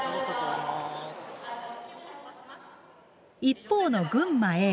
一方の群馬Ａ。